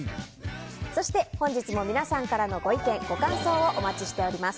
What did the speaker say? そして本日も皆さんからのご意見、ご感想をお待ちしています。